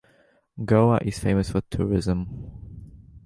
Goa is famous for tourism.